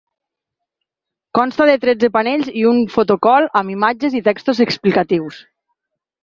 Consta de tretze panells i un ‘photocall’ amb imatges i textos explicatiu.